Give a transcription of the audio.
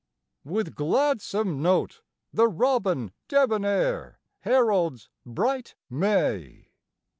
With gladsome note the robin debonair Heralds bright May.